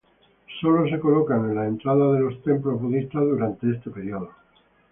Solo se colocaban en las entradas a los templos budistas durante este período.